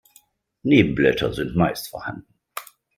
Nebenblätter sind meist vorhanden.